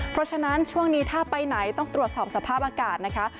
เพราะฉะนั้นช่วงนี้ถ้าไปไหนต้องตรวจสอบสภาพอากาศนะคะ